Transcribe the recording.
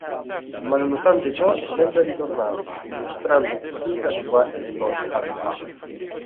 Ma nonostante ciò è sempre ritornato, dimostrando così la sua immortalità.